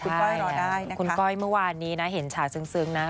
คุณก้อยรอได้นะคุณก้อยเมื่อวานนี้นะเห็นฉากซึ้งนะ